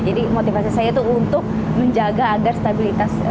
jadi motivasi saya itu untuk menjaga agar stabilitas